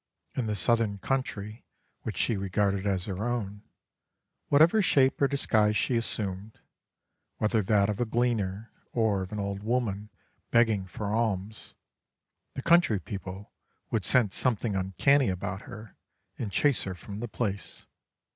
In the Southern country which she regarded as her own, whatever shape or disguise she assumed, whether that of a gleaner or of an old woman begging for alms, the country people would scent something uncanny about her and chase her from the place.